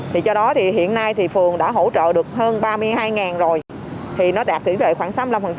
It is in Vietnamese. thì cho đó thì hiện nay thì phường đã hỗ trợ được hơn ba mươi hai rồi thì nó đạt tuyển về khoảng